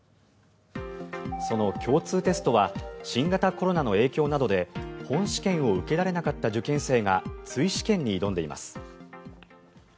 その共通テストは新型コロナの影響などで本試験を受けられなかった受験生が追試験に挑んでいます。